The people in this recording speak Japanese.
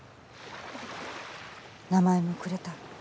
名前もくれた。